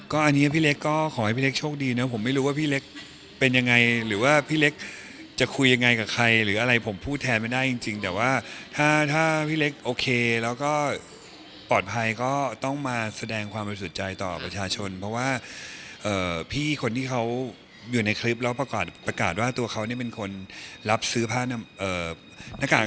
อันนี้พี่เล็กก็ขอให้พี่เล็กโชคดีนะผมไม่รู้ว่าพี่เล็กเป็นยังไงหรือว่าพี่เล็กจะคุยยังไงกับใครหรืออะไรผมพูดแทนไม่ได้จริงแต่ว่าถ้าพี่เล็กโอเคแล้วก็ปลอดภัยก็ต้องมาแสดงความบริสุทธิ์ใจต่อประชาชนเพราะว่าพี่คนที่เขาอยู่ในคลิปแล้วประกาศว่าตัวเขาเนี่ยเป็นคนรับซื้อผ้าหน้ากาก